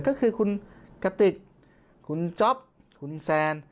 ก็คือคุณกติกคุณจ๊อปคุณแซน